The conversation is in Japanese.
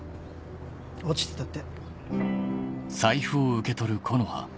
落ちてたって。